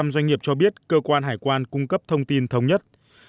tám mươi sáu doanh nghiệp cho biết cơ quan hải quan cung cấp thông tin thống nhất